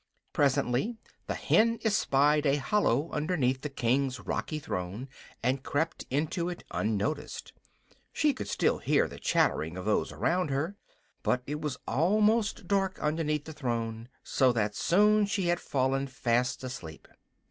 Presently the hen espied a hollow underneath the King's rocky throne, and crept into it unnoticed. She could still hear the chattering of those around her, but it was almost dark underneath the throne, so that soon she had fallen fast asleep.